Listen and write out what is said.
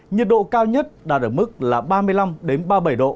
nhiệt độ cao nhất đạt ở mức là ba mươi năm ba mươi bảy độ